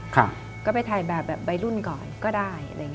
ก็ไปถ่ายแบบใบรุ่นก่อนก็ได้